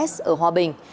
một s ở hòa bình